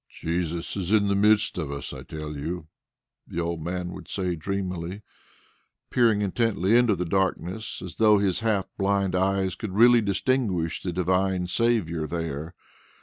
"Jesus is in the midst of us, I tell you," the old man would say dreamily, peering intently into the darkness, as though his half blind eyes could really distinguish the divine Saviour there.